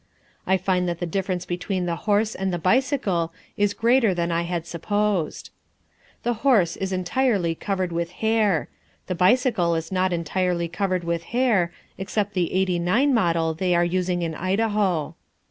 I find that the difference between the horse and the bicycle is greater than I had supposed. The horse is entirely covered with hair; the bicycle is not entirely covered with hair, except the '89 model they are using in Idaho.